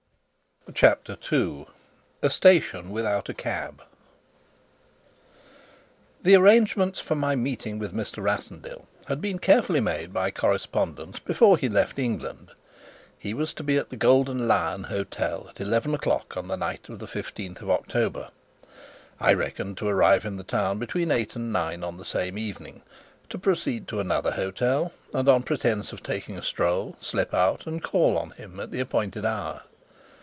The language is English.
CHAPTER II. A STATION WITHOUT A CAB The arrangements for my meeting with Mr. Rassendyll had been carefully made by correspondence before he left England. He was to be at the Golden Lion Hotel at eleven o'clock on the night of the 15th of October. I reckoned to arrive in the town between eight and nine on the same evening, to proceed to another hotel, and, on pretence of taking a stroll, slip out and call on him at the appointed hour.